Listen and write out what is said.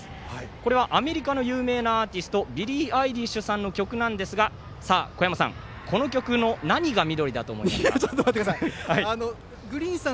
これはアメリカの有名なアーティストビリー・アイリッシュさんの曲なんですがこの曲の何が緑だと思いますか。